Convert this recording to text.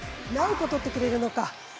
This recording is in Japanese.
何個とってくれるのか。